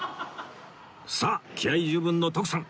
さあ気合十分の徳さん